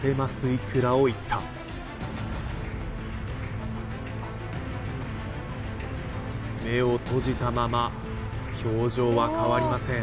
いくらをいった目を閉じたまま表情は変わりません